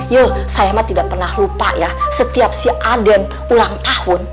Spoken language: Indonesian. ya saya mah tidak pernah lupa ya setiap si aden ulang tahun